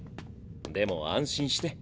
でも安心して。